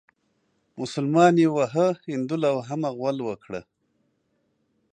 مسلمان يې واهه هندو له وهمه غول وکړه.